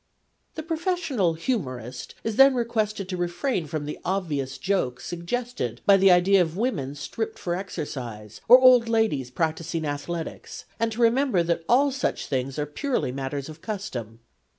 The professional humorist is then requested to refrain from the obvious jokes suggested by the idea PLATO 171 of women stripped for exercise or old ladies practising athletics, and to remember that all such things are purely matters of custom.